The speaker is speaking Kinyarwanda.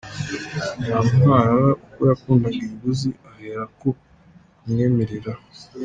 Nyankwarara kuko yakundaga ibiguzi, ahera ko amwemerera.